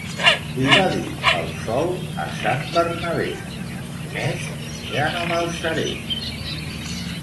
Li va dir el sol a Sant Bernabé, més ja no m'alçaré.